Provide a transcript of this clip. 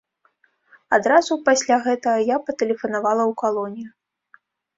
Адразу пасля гэтага я патэлефанавала ў калонію.